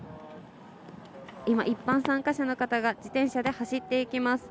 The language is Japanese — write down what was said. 今、一般参加者の方が自転車で走っていきます。